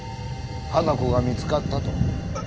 花子が見つかったと。